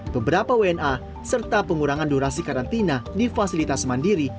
beberapa wna serta pengurangan durasi karantina di fasilitas mandiri